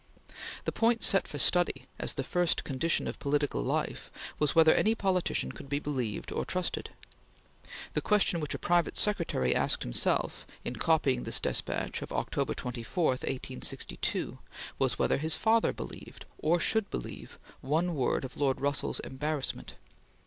The point set for study as the first condition of political life, was whether any politician could be believed or trusted. The question which a private secretary asked himself, in copying this despatch of October 24, 1862, was whether his father believed, or should believe, one word of Lord Russell's "embarrassment."